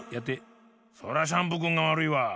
そらシャンプーくんがわるいわ。